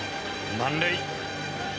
満塁。